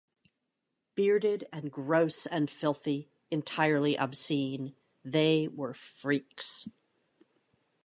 'Bearded and gross and filthy, entirely obscene, they...were freaks.